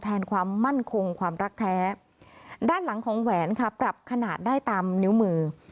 ความมั่นคงความรักแท้ด้านหลังของแหวนค่ะปรับขนาดได้ตามนิ้วมือ